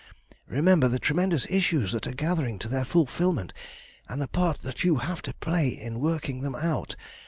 Remember the tremendous issues that are gathering to their fulfilment, and the part that you have to play in working them out.